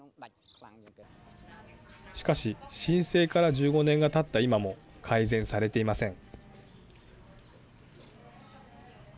しかし、申請から１５年がたった今も改善されていません。